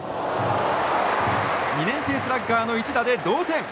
２年生スラッガーの１打で同点。